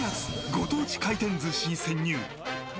ご当地回転寿司に潜入！